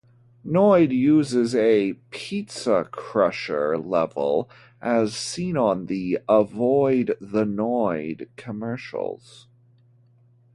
Noid uses a "Pizza Crusher" level, as seen on the "Avoid the Noid" commercials.